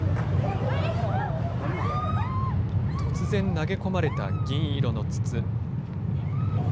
突然、投げ込まれた銀色の筒。